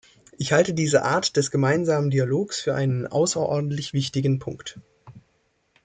Ich halte diese Art des gemeinsamen Dialogs für einen außerordentlich wichtigen Punkt.